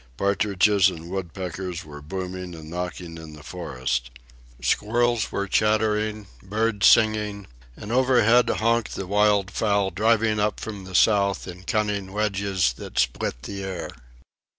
Partridges and woodpeckers were booming and knocking in the forest. Squirrels were chattering, birds singing, and overhead honked the wild fowl driving up from the south in cunning wedges that split the air.